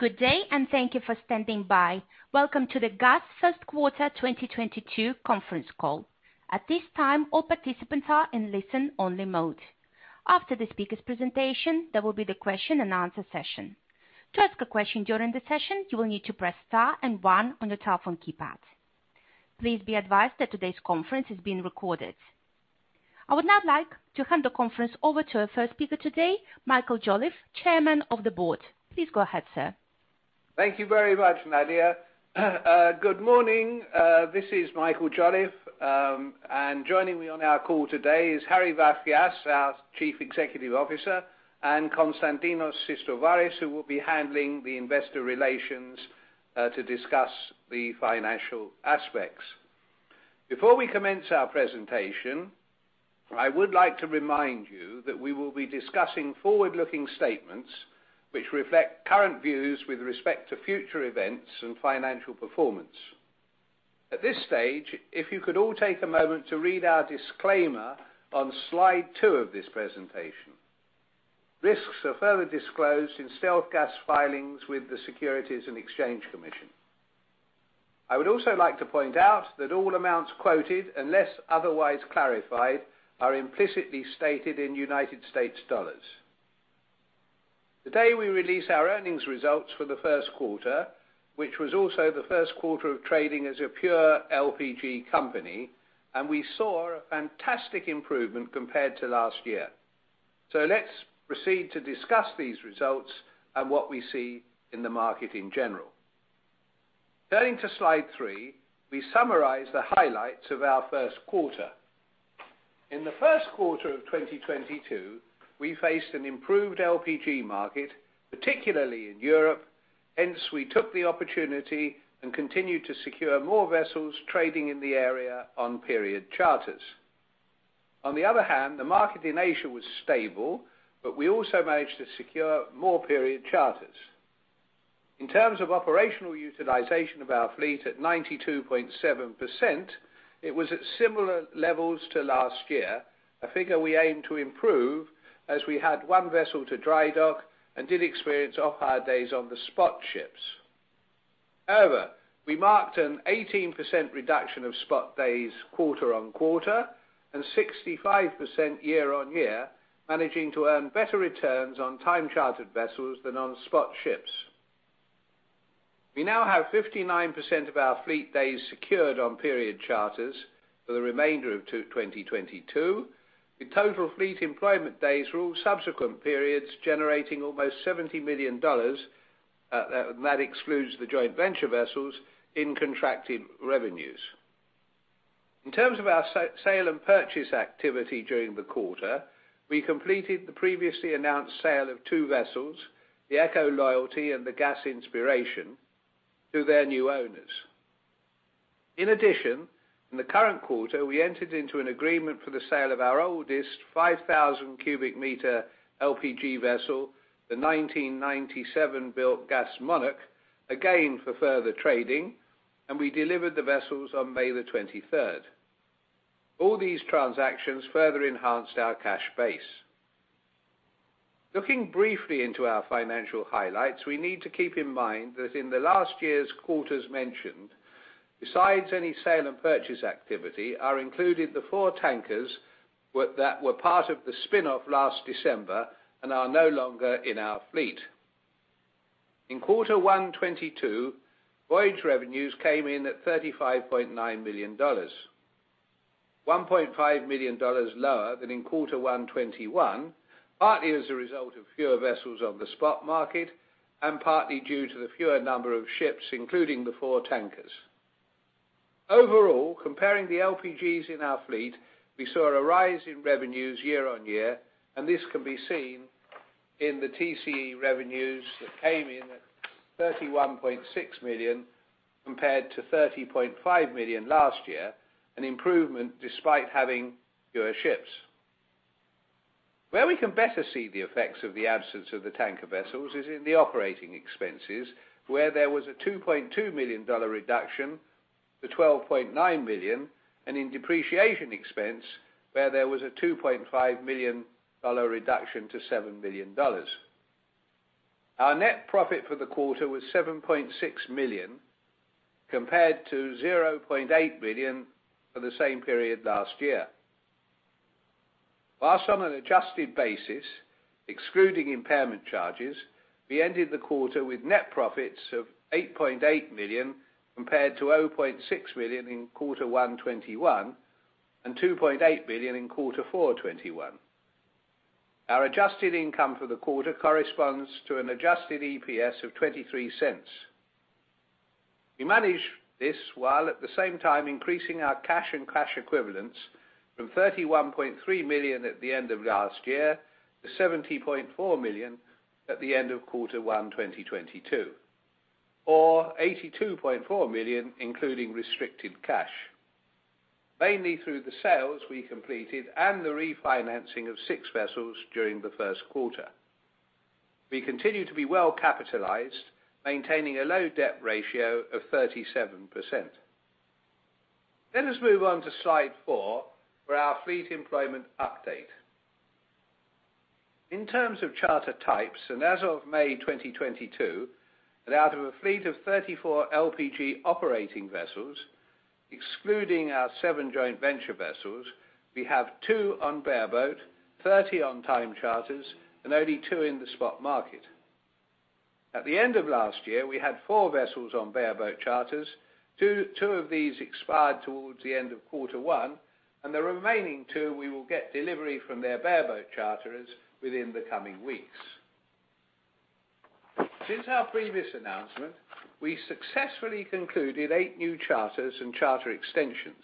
Good day, and thank you for standing by. Welcome to the StealthGas first quarter 2022 conference call. At this time, all participants are in listen-only mode. After the speaker's presentation, there will be the question and answer session. To ask a question during the session, you will need to press Star and One on your telephone keypad. Please be advised that today's conference is being recorded. I would now like to hand the conference over to our first speaker today, Michael Jolliffe, Chairman of the Board. Please go ahead, sir. Thank you very much, Nadia. Good morning. This is Michael Jolliffe, and joining me on our call today is Harry Vafias, our Chief Executive Officer, and Konstantinos Sistovaris, who will be handling the Investor Relations, to discuss the financial aspects. Before we commence our presentation, I would like to remind you that we will be discussing forward-looking statements which reflect current views with respect to future events and financial performance. At this stage, if you could all take a moment to read our disclaimer on slide two of this presentation. Risks are further disclosed in StealthGas filings with the Securities and Exchange Commission. I would also like to point out that all amounts quoted, unless otherwise clarified, are implicitly stated in United States dollars. Today, we release our earnings results for the first quarter, which was also the first quarter of trading as a pure LPG company, and we saw a fantastic improvement compared to last year. Let's proceed to discuss these results and what we see in the market in general. Turning to slide three, we summarize the highlights of our first quarter. In the first quarter of 2022, we faced an improved LPG market, particularly in Europe. Hence, we took the opportunity and continued to secure more vessels trading in the area on period charters. On the other hand, the market in Asia was stable, but we also managed to secure more period charters. In terms of operational utilization of our fleet at 92.7%, it was at similar levels to last year, a figure we aim to improve as we had one vessel to dry dock and did experience off-hire days on the spot ships. However, we marked an 18% reduction of spot days quarter-over-quarter and 65% year-over-year, managing to earn better returns on time chartered vessels than on spot ships. We now have 59% of our fleet days secured on period charters for the remainder of 2022. The total fleet employment days for all subsequent periods generating almost $70 million, that excludes the joint venture vessels in contracted revenues. In terms of our sale and purchase activity during the quarter, we completed the previously announced sale of two vessels, the Eco Loyalty and the Gas Inspiration, to their new owners. In addition, in the current quarter, we entered into an agreement for the sale of our oldest 5,000-cubic-meter LPG vessel, the 1997-built Gas Monarch, again for further trading, and we delivered the vessels on May 23. All these transactions further enhanced our cash base. Looking briefly into our financial highlights, we need to keep in mind that in the last year's quarters mentioned, besides any sale and purchase activity, are included the four tankers that were part of the spin-off last December and are no longer in our fleet. In Q1 2022, voyage revenues came in at $35.9 million. $1.5 million lower than in Q1 2021, partly as a result of fewer vessels on the spot market and partly due to the fewer number of ships, including the four tankers. Overall, comparing the LPGs in our fleet, we saw a rise in revenues year-on-year, and this can be seen in the TCE revenues that came in at $31.6 million compared to $30.5 million last year, an improvement despite having fewer ships. Where we can better see the effects of the absence of the tanker vessels is in the operating expenses, where there was a $2.2 million reduction to $12.9 million, and in depreciation expense, where there was a $2.5 million reduction to $7 million. Our net profit for the quarter was $7.6 million compared to $0.8 million for the same period last year. While on an adjusted basis, excluding impairment charges, we ended the quarter with net profits of $8.8 million compared to $0.6 million in quarter one 2021 and $2.8 billion in quarter four 2021. Our adjusted income for the quarter corresponds to an adjusted EPS of $0.23. We managed this while at the same time increasing our cash and cash equivalents from $31.3 million at the end of last year to $70.4 million at the end of quarter one 2022 or $82.4 million, including restricted cash. Mainly through the sales we completed and the refinancing of six vessels during the first quarter. We continue to be well capitalized, maintaining a low debt ratio of 37%. Let us move on to slide four for our fleet employment update. In terms of charter types, and as of May 2022, and out of a fleet of 34 LPG operating vessels, excluding our seven joint venture vessels, we have two on bareboat, 30 on time charters, and only two in the spot market. At the end of last year, we had four vessels on bareboat charters. Two of these expired towards the end of quarter one, and the remaining two, we will get delivery from their bareboat charterers within the coming weeks. Since our previous announcement, we successfully concluded eight new charters and charter extensions.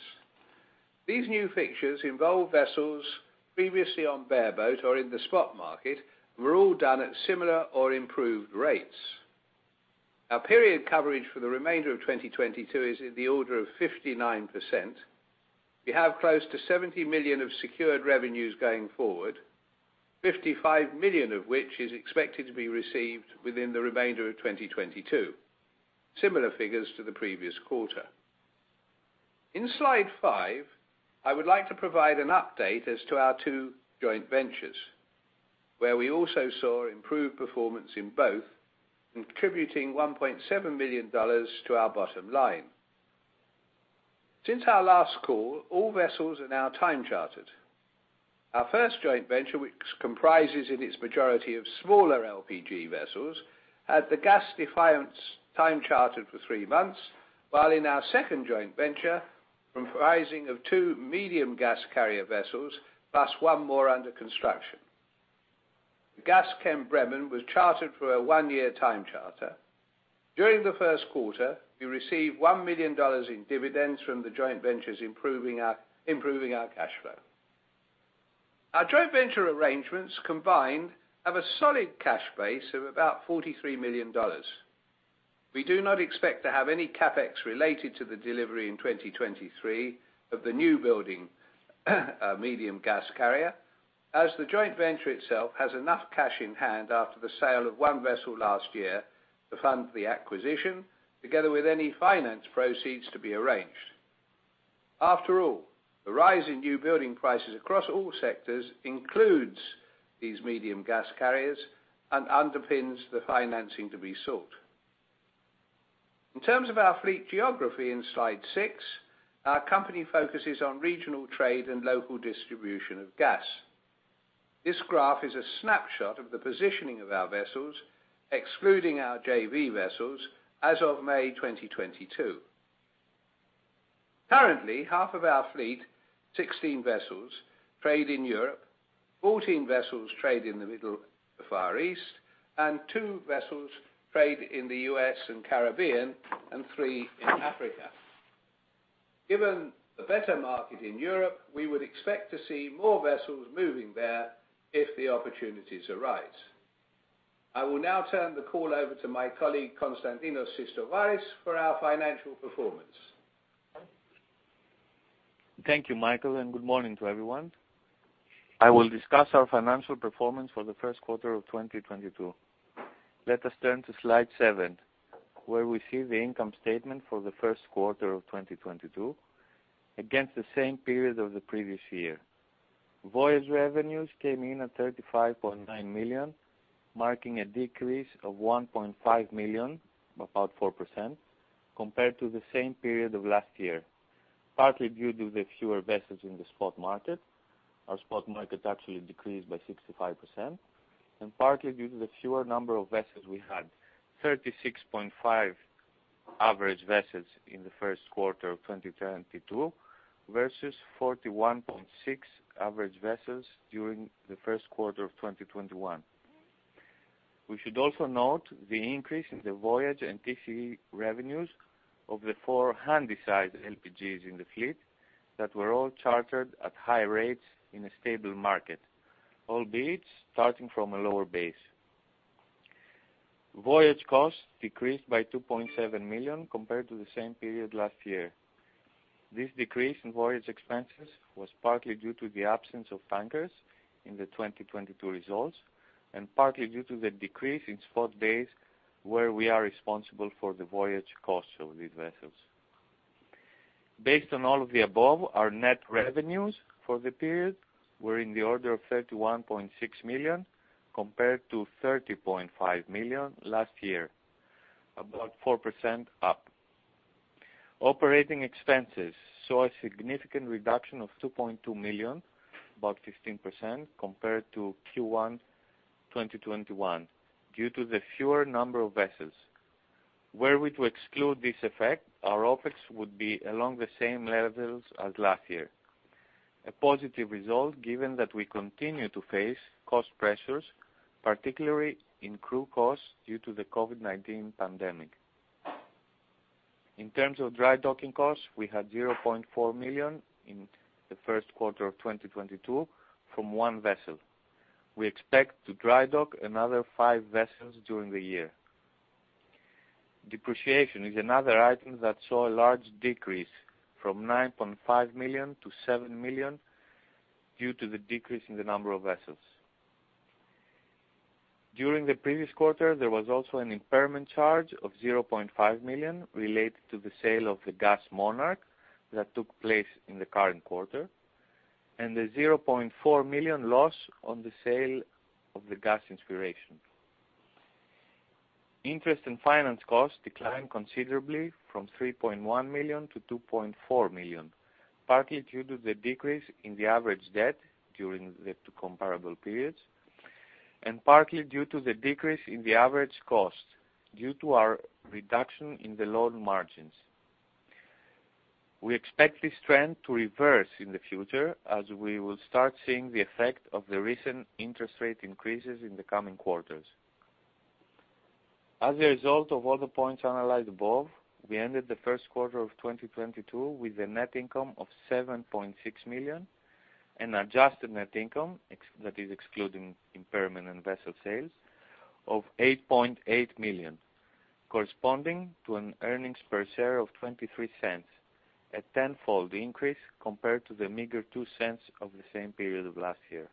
These new fixtures involve vessels previously on bareboat or in the spot market, were all done at similar or improved rates. Our period coverage for the remainder of 2022 is in the order of 59%. We have close to $70 million of secured revenues going forward, $55 million of which is expected to be received within the remainder of 2022. Similar figures to the previous quarter. In slide five, I would like to provide an update as to our two joint ventures, where we also saw improved performance in both, contributing $1.7 million to our bottom line. Since our last call, all vessels are now time chartered. Our first joint venture, which comprises in its majority of smaller LPG vessels, had the Gas Defiance time chartered for three months, while in our second joint venture, comprising of two Medium Gas Carrier vessels, plus one more under construction. GasChem Bremen was chartered for a one-year time charter. During the first quarter, we received $1 million in dividends from the joint ventures, improving our cash flow. Our joint venture arrangements combined have a solid cash base of about $43 million. We do not expect to have any CapEx related to the delivery in 2023 of the new building, our Medium Gas Carrier, as the joint venture itself has enough cash in hand after the sale of one vessel last year to fund the acquisition, together with any finance proceeds to be arranged. After all, the rise in new building prices across all sectors includes these Medium Gas Carriers and underpins the financing to be sought. In terms of our fleet geography in slide 6, our company focuses on regional trade and local distribution of gas. This graph is a snapshot of the positioning of our vessels, excluding our JV vessels, as of May 2022. Currently, half of our fleet, 16 vessels, trade in Europe, 14 vessels trade in the Middle and Far East, and two vessels trade in the US and Caribbean, and three in Africa. Given the better market in Europe, we would expect to see more vessels moving there if the opportunities arise. I will now turn the call over to my colleague, Konstantinos Sistovaris, for our financial performance. Thank you, Michael, and good morning to everyone. I will discuss our financial performance for the first quarter of 2022. Let us turn to slide seven, where we see the income statement for the first quarter of 2022 against the same period of the previous year. Voyage revenues came in at $35.9 million, marking a decrease of $1.5 million, about 4%, compared to the same period of last year, partly due to the fewer vessels in the spot market. Our spot market actually decreased by 65%. Partly due to the fewer number of vessels we had. 36.5 average vessels in the first quarter of 2022 versus 41.6 average vessels during the first quarter of 2021. We should also note the increase in the voyage and TCE revenues of the four handy-sized LPGs in the fleet that were all chartered at high rates in a stable market, albeit starting from a lower base. Voyage costs decreased by $2.7 million compared to the same period last year. This decrease in voyage expenses was partly due to the absence of tankers in the 2022 results, and partly due to the decrease in spot days where we are responsible for the voyage costs of these vessels. Based on all of the above, our net revenues for the period were in the order of $31.6 million, compared to $30.5 million last year. About 4% up. Operating expenses saw a significant reduction of $2.2 million, about 15%, compared to Q1 2021 due to the fewer number of vessels. Were we to exclude this effect, our OpEx would be along the same levels as last year. A positive result given that we continue to face cost pressures, particularly in crew costs, due to the COVID-19 pandemic. In terms of dry docking costs, we had $0.4 million in the first quarter of 2022 from one vessel. We expect to dry dock another five vessels during the year. Depreciation is another item that saw a large decrease from $9.5 million to $7 million due to the decrease in the number of vessels. During the previous quarter, there was also an impairment charge of $0.5 million related to the sale of the Gas Monarch that took place in the current quarter, and the $0.4 million loss on the sale of the Gas Inspiration. Interest and finance costs declined considerably from $3.1 million-$2.4 million, partly due to the decrease in the average debt during the two comparable periods, and partly due to the decrease in the average cost due to our reduction in the loan margins. We expect this trend to reverse in the future as we will start seeing the effect of the recent interest rate increases in the coming quarters. As a result of all the points analyzed above, we ended the first quarter of 2022 with a net income of $7.6 million, an adjusted net income ex, that is, excluding impairment and vessel sales of $8.8 million, corresponding to an earnings per share of $0.23, a tenfold increase compared to the meager $0.02 of the same period of last year.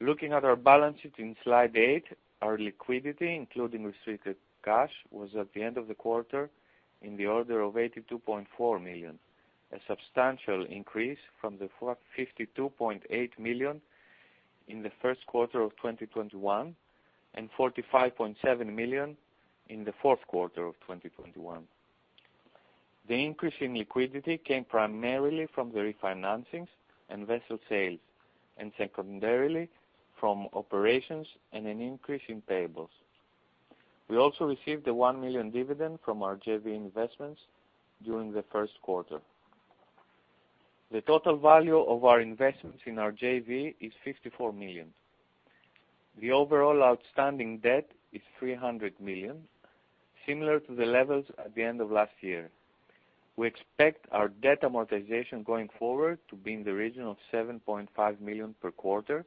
Looking at our balance sheet in slide eight, our liquidity, including restricted cash, was at the end of the quarter in the order of $82.4 million, a substantial increase from the $52.8 million in the first quarter of 2021 and $45.7 million in the fourth quarter of 2021. The increase in liquidity came primarily from the refinancings and vessel sales, and secondarily from operations and an increase in payables. We also received a $1 million dividend from our JV investments during the first quarter. The total value of our investments in our JV is $54 million. The overall outstanding debt is $300 million, similar to the levels at the end of last year. We expect our debt amortization going forward to be in the region of $7.5 million per quarter,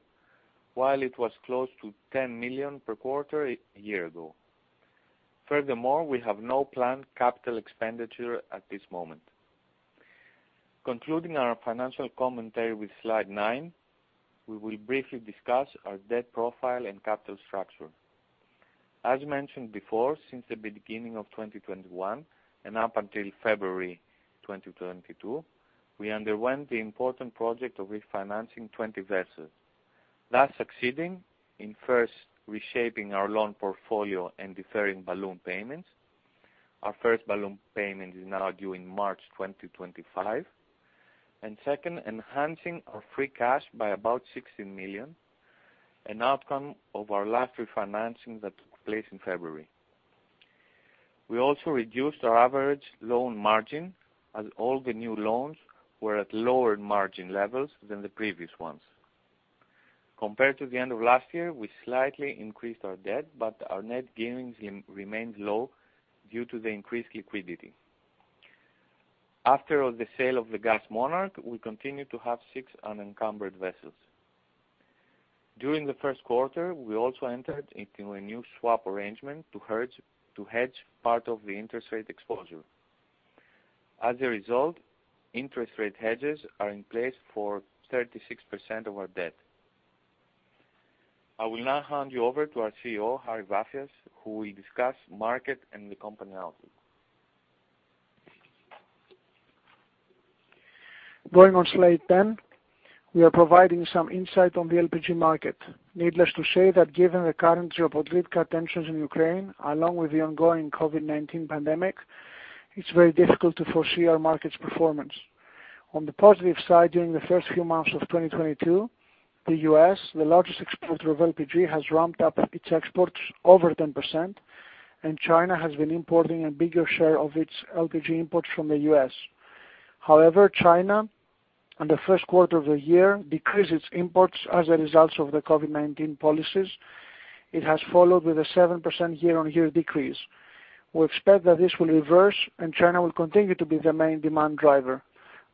while it was close to $10 million per quarter a year ago. Furthermore, we have no planned capital expenditure at this moment. Concluding our financial commentary with slide nine, we will briefly discuss our debt profile and capital structure. As mentioned before, since the beginning of 2021 and up until February 2022, we underwent the important project of refinancing 20 vessels, thus succeeding in first reshaping our loan portfolio and deferring balloon payments. Our first balloon payment is now due in March 2025. Second, enhancing our free cash by about $16 million, an outcome of our last refinancing that took place in February. We also reduced our average loan margin as all the new loans were at lower margin levels than the previous ones. Compared to the end of last year, we slightly increased our debt, but our net gearing remained low due to the increased liquidity. After all the sale of the Gas Monarch, we continue to have six unencumbered vessels. During the first quarter, we also entered into a new swap arrangement to hedge part of the interest rate exposure. As a result, interest rate hedges are in place for 36% of our debt. I will now hand you over to our CEO, Harry Vafias, who will discuss market and the company outlook. Going on slide 10, we are providing some insight on the LPG market. Needless to say that given the current geopolitical tensions in Ukraine, along with the ongoing COVID-19 pandemic, it's very difficult to foresee our market's performance. On the positive side, during the first few months of 2022, the U.S., the largest exporter of LPG, has ramped up its exports over 10%, and China has been importing a bigger share of its LPG imports from the U.S. However, China, on the first quarter of the year, decreased its imports as a result of the COVID-19 policies. It has followed with a 7% year-on-year decrease. We expect that this will reverse and China will continue to be the main demand driver.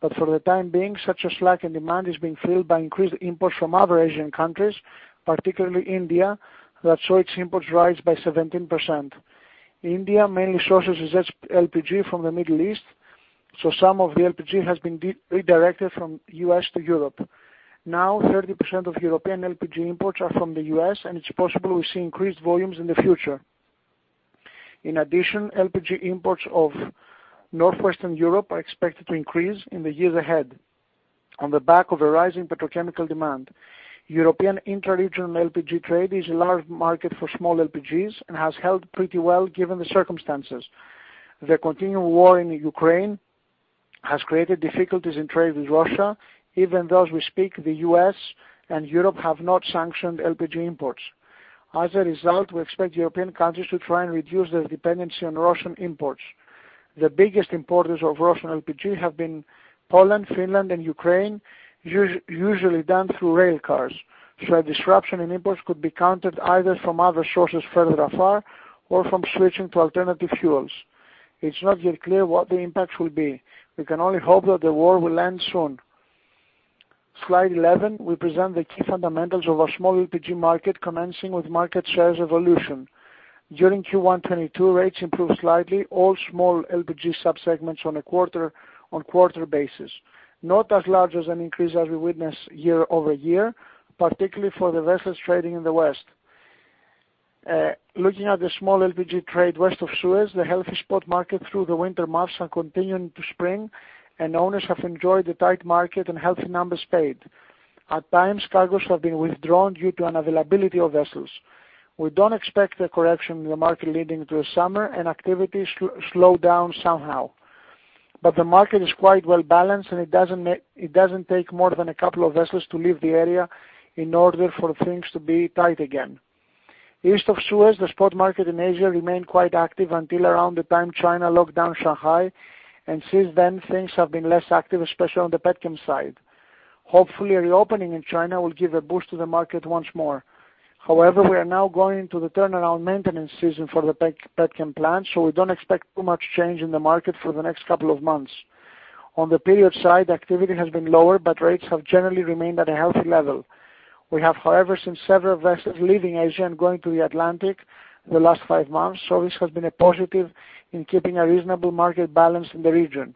For the time being, such a slack in demand is being filled by increased imports from other Asian countries, particularly India, that saw its imports rise by 17%. India mainly sources its LPG from the Middle East, so some of the LPG has been redirected from U.S. to Europe. Now, 30% of European LPG imports are from the U.S., and it's possible we see increased volumes in the future. In addition, LPG imports of Northwestern Europe are expected to increase in the years ahead on the back of a rise in petrochemical demand. European intra-regional LPG trade is a large market for small LPGs and has held pretty well given the circumstances. The continuing war in Ukraine has created difficulties in trade with Russia. Even as we speak, the U.S. and Europe have not sanctioned LPG imports. As a result, we expect European countries to try and reduce their dependency on Russian imports. The biggest importers of Russian LPG have been Poland, Finland, and Ukraine, usually done through rail cars, so a disruption in imports could be countered either from other sources further afar or from switching to alternative fuels. It's not yet clear what the impacts will be. We can only hope that the war will end soon. Slide 11, we present the key fundamentals of our small LPG market, commencing with market shares evolution. During Q1 2022, rates improved slightly, all small LPG subsegments on a quarter-over-quarter basis. Not as large an increase as we witnessed year-over-year, particularly for the vessels trading in the West. Looking at the small LPG trade west of Suez, the healthy spot market through the winter months is continuing to strengthen, and owners have enjoyed the tight market and healthy numbers paid. At times, cargoes have been withdrawn due to unavailability of vessels. We don't expect a correction in the market leading to the summer and activities to slow down somehow. The market is quite well-balanced, and it doesn't take more than a couple of vessels to leave the area in order for things to be tight again. East of Suez, the spot market in Asia remained quite active until around the time China locked down Shanghai. Since then, things have been less active, especially on the petchem side. Hopefully, a reopening in China will give a boost to the market once more. However, we are now going to the turnaround maintenance season for the petchem plant, so we don't expect too much change in the market for the next couple of months. On the period side, activity has been lower, but rates have generally remained at a healthy level. We have, however, seen several vessels leaving Asia and going to the Atlantic the last five months, so this has been a positive in keeping a reasonable market balance in the region.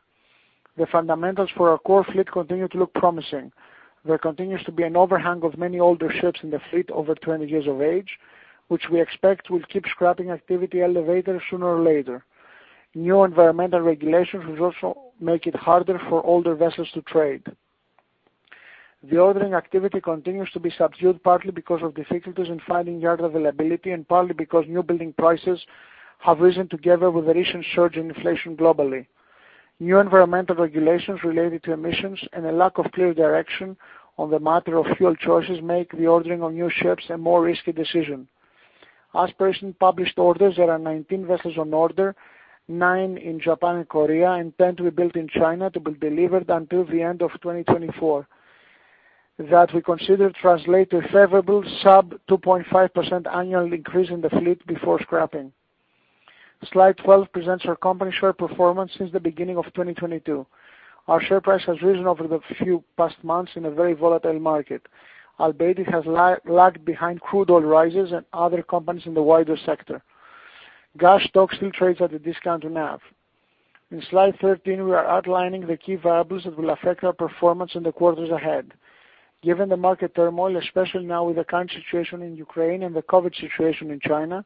The fundamentals for our core fleet continue to look promising. There continues to be an overhang of many older ships in the fleet over twenty years of age, which we expect will keep scrapping activity elevated sooner or later. New environmental regulations will also make it harder for older vessels to trade. The ordering activity continues to be subdued, partly because of difficulties in finding yard availability and partly because new building prices have risen together with the recent surge in inflation globally. New environmental regulations related to emissions and a lack of clear direction on the matter of fuel choices make the ordering of new ships a more risky decision. As per recent published orders, there are 19 vessels on order, nine in Japan and Korea, and 10 to be built in China to be delivered until the end of 2024. That we consider translate to a favorable sub 2.5% annual increase in the fleet before scrapping. Slide 12 presents our company share performance since the beginning of 2022. Our share price has risen over the past few months in a very volatile market, albeit it has lagged behind crude oil rises and other companies in the wider sector. StealthGas stock still trades at a discount to NAV. In slide 13, we are outlining the key variables that will affect our performance in the quarters ahead. Given the market turmoil, especially now with the current situation in Ukraine and the COVID-19 situation in China,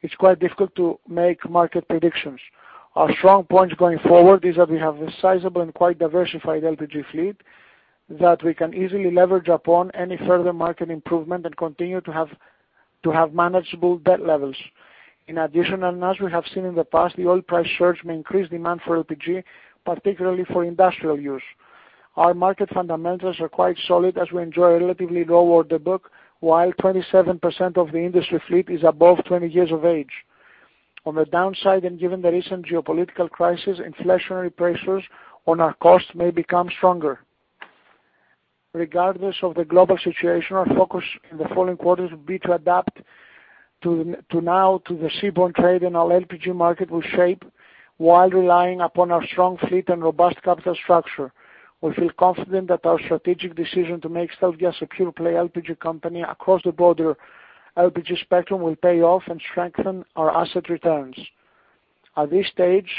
it's quite difficult to make market predictions. Our strong points going forward is that we have a sizable and quite diversified LPG fleet that we can easily leverage upon any further market improvement and continue to have manageable debt levels. In addition, as we have seen in the past, the oil price surge may increase demand for LPG, particularly for industrial use. Our market fundamentals are quite solid as we enjoy a relatively low order book, while 27% of the industry fleet is above 20 years of age. On the downside, given the recent geopolitical crisis, inflationary pressures on our costs may become stronger. Regardless of the global situation, our focus in the following quarters will be to adapt now to the seaborne trade and how our LPG market will shape while relying upon our strong fleet and robust capital structure. We feel confident that our strategic decision to make StealthGas a pure play LPG company across the broader LPG spectrum will pay off and strengthen our asset returns. At this stage,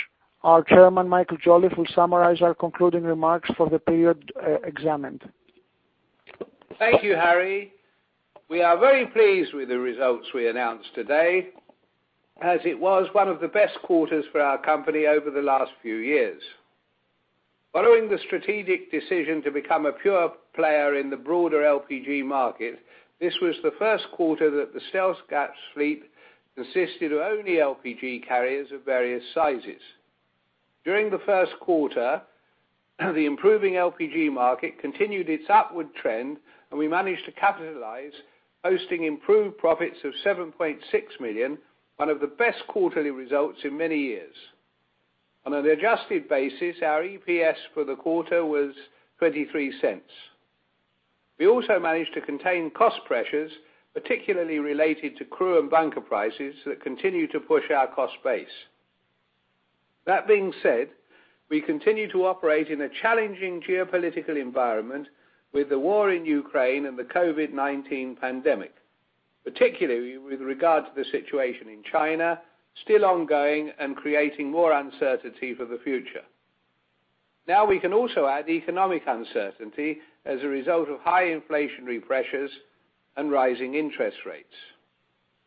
our Chairman, Michael Jolliffe, will summarize our concluding remarks for the period examined. Thank you, Harry. We are very pleased with the results we announced today, as it was one of the best quarters for our company over the last few years. Following the strategic decision to become a pure play in the broader LPG market, this was the first quarter that the StealthGas fleet consisted of only LPG carriers of various sizes. During the first quarter, the improving LPG market continued its upward trend, and we managed to capitalize, posting improved profits of $7.6 million, one of the best quarterly results in many years. On an adjusted basis, our EPS for the quarter was $0.23. We also managed to contain cost pressures, particularly related to crew and bunker prices that continue to push our cost base. That being said, we continue to operate in a challenging geopolitical environment with the war in Ukraine and the COVID-19 pandemic, particularly with regard to the situation in China still ongoing and creating more uncertainty for the future. Now we can also add economic uncertainty as a result of high inflationary pressures and rising interest rates.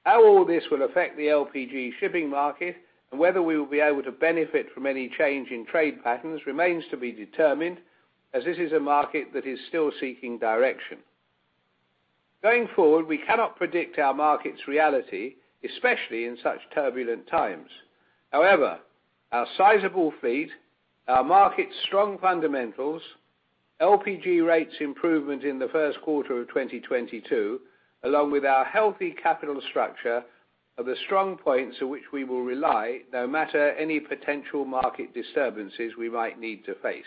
How all this will affect the LPG shipping market and whether we will be able to benefit from any change in trade patterns remains to be determined as this is a market that is still seeking direction. Going forward, we cannot predict our market's reality, especially in such turbulent times. However, our sizable fleet, our market's strong fundamentals, LPG rates improvement in the first quarter of 2022, along with our healthy capital structure, are the strong points at which we will rely, no matter any potential market disturbances we might need to face.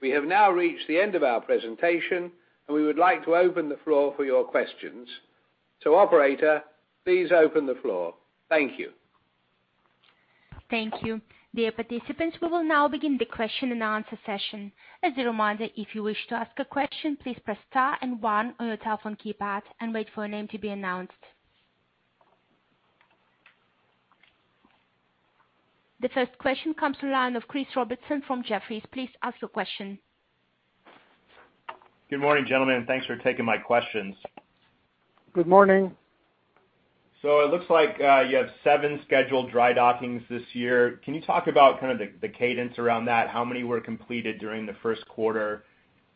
We have now reached the end of our presentation, and we would like to open the floor for your questions. Operator, please open the floor. Thank you. Thank you. Dear participants, we will now begin the question and answer session. As a reminder, if you wish to ask a question, please press star and one on your telephone keypad and wait for your name to be announced. The first question comes from the line of Christopher Robertson from Jefferies. Please ask your question. Good morning, gentlemen. Thanks for taking my questions. Good morning. It looks like you have seven scheduled dry dockings this year. Can you talk about kind of the cadence around that? How many were completed during the first quarter?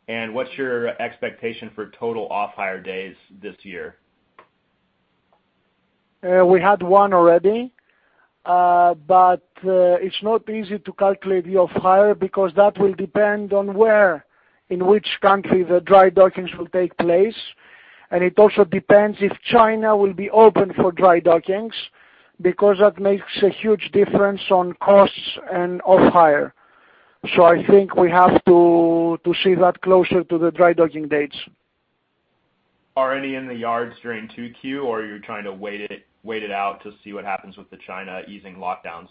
What's your expectation for total off hire days this year? We had one already. It's not easy to calculate the off hire because that will depend on where in which country the dry dockings will take place. It also depends if China will be open for dry dockings, because that makes a huge difference on costs and off hire. I think we have to see that closer to the dry docking dates. Already in the yards during 2Q or you're trying to wait it out to see what happens with China easing lockdowns?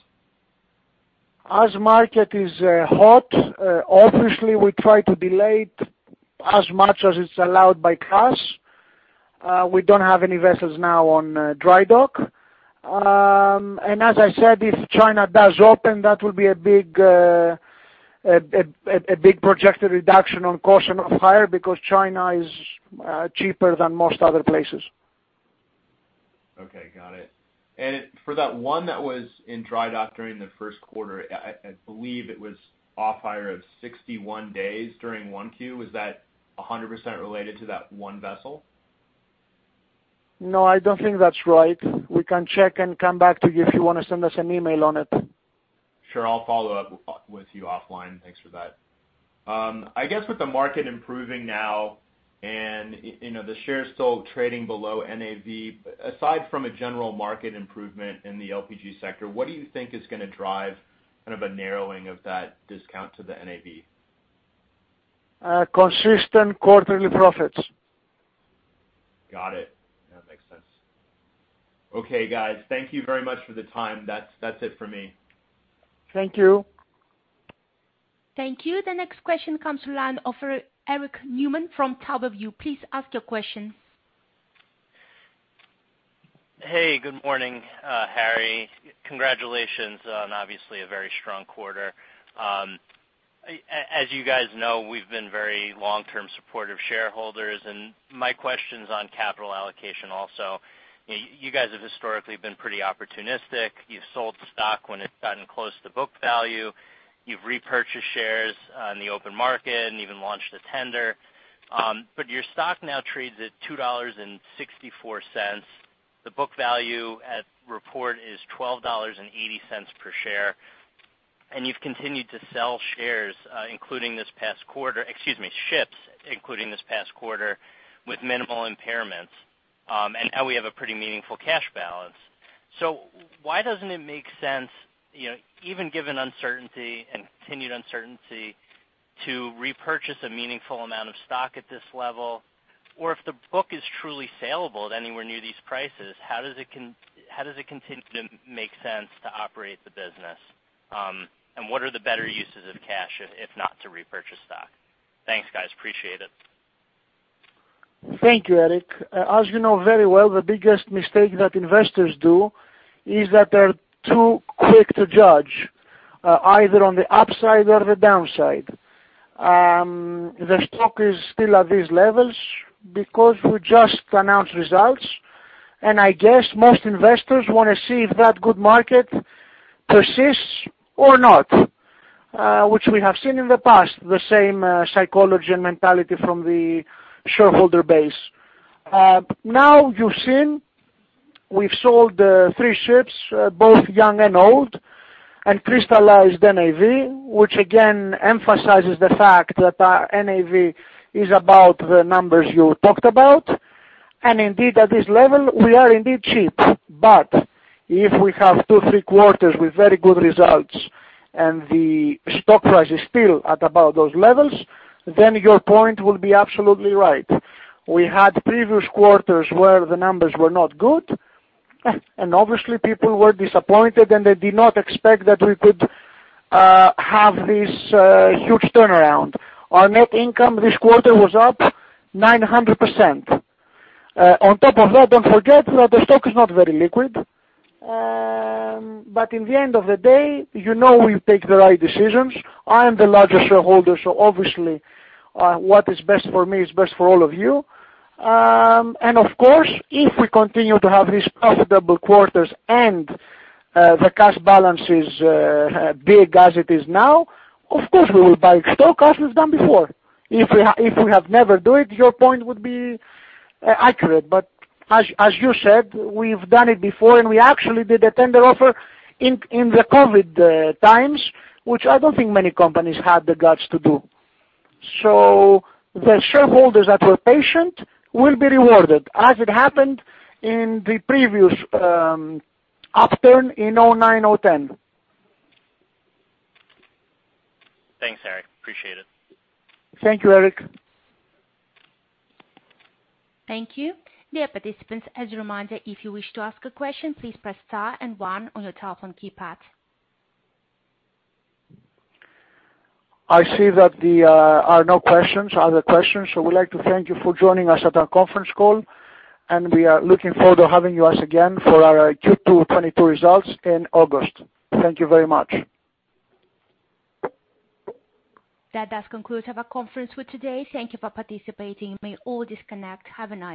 As market is hot, obviously we try to delay it as much as it's allowed by cost. We don't have any vessels now on dry dock. As I said, if China does open, that will be a big projected reduction on cost and off hire because China is cheaper than most other places. Okay, got it. For that one that was in dry dock during the first quarter, I believe it was off hire of 61 days during 1Q. Was that 100% related to that one vessel? No, I don't think that's right. We can check and come back to you if you wanna send us an email on it. Sure. I'll follow up with you offline. Thanks for that. I guess with the market improving now and, you know, the shares still trading below NAV, aside from a general market improvement in the LPG sector, what do you think is gonna drive kind of a narrowing of that discount to the NAV? Consistent quarterly profits. Got it. That makes sense. Okay, guys. Thank you very much for the time. That's it for me. Thank you. Thank you. The next question comes from the line of Eric Newman from Towerview. Please ask your questions. Hey, good morning, Harry. Congratulations on obviously a very strong quarter. As you guys know, we've been very long-term supportive shareholders, and my question's on capital allocation also. You guys have historically been pretty opportunistic. You've sold stock when it's gotten close to book value. You've repurchased shares on the open market and even launched a tender. But your stock now trades at $2.64. The book value at report is $12.80 per share. You've continued to sell ships, including this past quarter, with minimal impairments. Now we have a pretty meaningful cash balance. Why doesn't it make sense, you know, even given uncertainty and continued uncertainty to repurchase a meaningful amount of stock at this level? If the book is truly sellable at anywhere near these prices, how does it continue to make sense to operate the business? What are the better uses of cash if not to repurchase stock? Thanks, guys. Appreciate it. Thank you, Eric. As you know very well, the biggest mistake that investors do is that they're too quick to judge either on the upside or the downside. The stock is still at these levels because we just announced results, and I guess most investors wanna see if that good market persists or not, which we have seen in the past, the same psychology and mentality from the shareholder base. Now you've seen we've sold three ships, both young and old, and crystallized NAV, which again emphasizes the fact that our NAV is about the numbers you talked about. Indeed at this level, we are indeed cheap. If we have two, three quarters with very good results and the stock price is still at about those levels, then your point will be absolutely right. We had previous quarters where the numbers were not good, and obviously people were disappointed and they did not expect that we could have this huge turnaround. Our net income this quarter was up 900%. On top of that, don't forget that the stock is not very liquid. At the end of the day, you know we take the right decisions. I am the largest shareholder, so obviously what is best for me is best for all of you. Of course, if we continue to have these profitable quarters and the cash balance is big as it is now, of course we will buy stock as it's done before. If we have never do it, your point would be accurate. As you said, we've done it before, and we actually did a tender offer in the COVID times, which I don't think many companies had the guts to do. The shareholders that were patient will be rewarded as it happened in the previous upturn in 2009, 2010. Thanks, Harry. Appreciate it. Thank you, Eric. Thank you. Dear participants, as a reminder, if you wish to ask a question, please press star and one on your telephone keypad. I see that there are no other questions. We'd like to thank you for joining us at our conference call, and we are looking forward to having you with us again for our Q2 2022 results in August. Thank you very much. That does conclude our conference call today. Thank you for participating. You may all disconnect. Have a nice day.